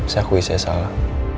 saya akui saya salah